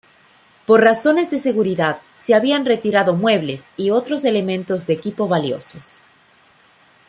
Por razones de seguridad se habían retirado muebles y otros elementos de equipo valiosos.